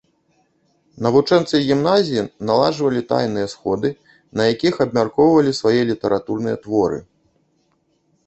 Навучэнцы гімназіі наладжвалі тайныя сходы, на якіх абмяркоўвалі свае літаратурныя творы.